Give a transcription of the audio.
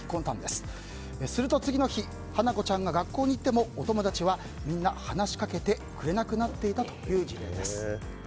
すると、次の日花子ちゃんが学校に行ってもお友達はみんな話しかけてくれなくなっていたという事例です。